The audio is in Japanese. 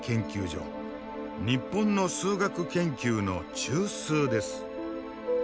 日本の数学研究の中枢です。